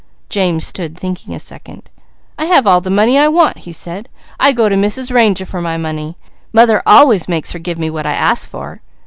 James stood thinking a second. "I have all the money I want," he said. "I go to Mrs. Ranger for my money. Mother always makes her give me what I ask for."